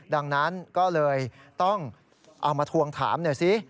ดังนั้นก็เลยต้องเอามาทวงถามหน่อยสิ